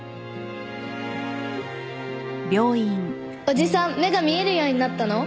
おじさん目が見えるようになったの？